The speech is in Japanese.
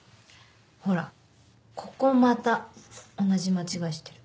ほらここまた同じ間違いしてる。